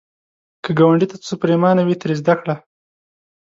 که ګاونډي ته څه پرېمانه وي، ترې زده کړه